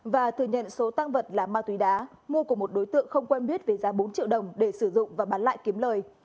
và thừa nhận số tăng vật là ma túy đá mua của một đối tượng không quen biết với giá bốn triệu đồng để sử dụng và bán lại kiếm lời